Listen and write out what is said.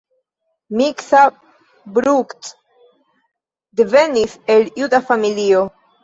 Miksa Bruck devenis el juda familio.